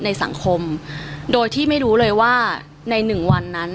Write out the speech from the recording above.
ในสังคมโดยที่ไม่รู้เลยว่าในหนึ่งวันนั้น